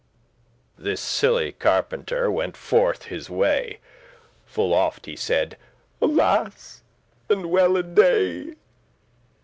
This silly carpenter went forth his way, Full oft he said, "Alas! and Well a day!